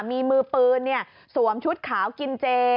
มีมือปืนสวมชุดขาวกินเจ